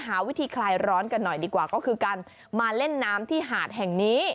หาวิธีคลายร้อนกันหน่อยดีกว่าก็คือการมาเล่นน้ำที่หาดแห่งนี้